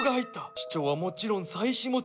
市長はもちろん妻子持ち。